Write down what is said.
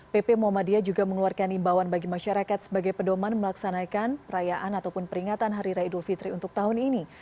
pp muhammadiyah juga mengeluarkan imbawan bagi masyarakat sebagai pedoman melaksanakan perayaan ataupun peringatan hari rai dulfitri untuk tahun ini